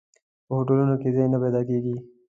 په هوټلونو کې ځای نه پیدا کېږي.